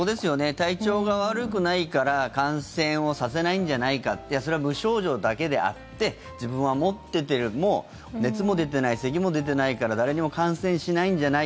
体調が悪くないから感染をさせないんじゃないかそれは無症状だけであって自分は持ってても熱も出てないせきも出てないから誰にも感染しないんじゃない。